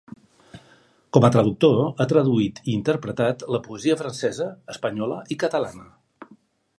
Com a traductor, ha traduït i interpretat la poesia francesa, espanyola i catalana.